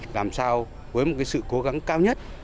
làm sao với một sự cố gắng cao nhất